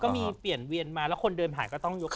ก็มีเปลี่ยนเวียนมาแล้วคนเดินผ่านก็ต้องยกคุณว่า